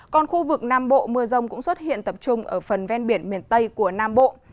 còn khu vực nam bộ mưa rông cũng xuất hiện tập trung ở phần ven biển miền tây của nam bộ